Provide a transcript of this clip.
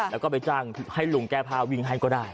แล้วก็ไปจ้างให้ลุงแก้ผ้าวิ่งให้ก็ได้